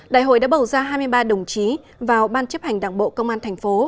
đại hội đã bầu ra hai mươi ba đồng chí vào ban chấp hành đảng bộ công an tp